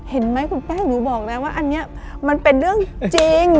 เห็นไหมคุณแป้งหนูบอกนะว่าอันนี้มันเป็นเรื่องจริง